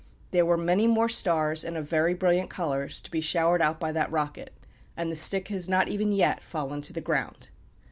There were many more stars, and of very brilliant colours, to be showered out by that rocket; and the stick has not even yet fallen to the ground.